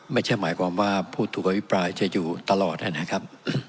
ไม่ใช่หมายความว่าผู้ถูกอภิปรายจะอยู่ตลอดนะครับ